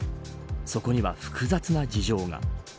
そこには複雑な事情が。